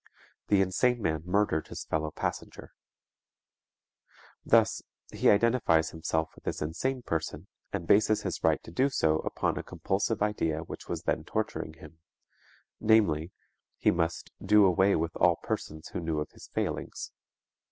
The insane man murdered his fellow passenger. Thus he identifies himself with this insane person and bases his right so to do upon a compulsive idea which was then torturing him, namely, he must "do away with all persons who knew of his failings."